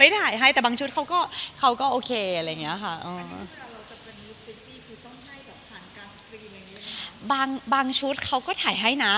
ไม่ถ่ายให้แต่บางชุดเขาก็เขาก็โอเคอะไรเงี้ยค่ะอืมบางบางชุดเขาก็ถ่ายให้น่ะ